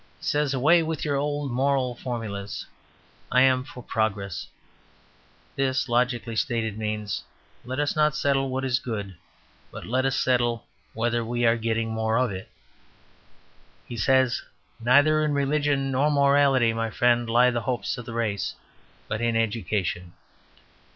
He says, "Away with your old moral formulae; I am for progress." This, logically stated, means, "Let us not settle what is good; but let us settle whether we are getting more of it." He says, "Neither in religion nor morality, my friend, lie the hopes of the race, but in education."